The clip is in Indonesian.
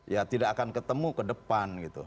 ya tidak akan ketemu ke depan gitu